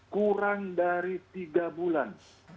kurang dari tiga bulan